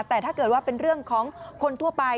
แต่ถ้าเกิดว่าเป็นเรื่องของคนทั่วไป